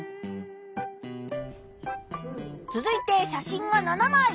続いて写真が７まい。